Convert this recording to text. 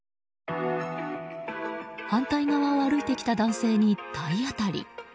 反対側を歩いてきた男性に体当たり。